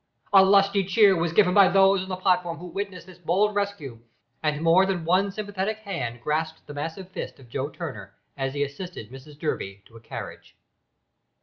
A lusty cheer was given by those on the platform who witnessed this bold rescue, and more than one sympathetic hand grasped the massive fist of Joe Turner as he assisted Mrs Durby to a carriage.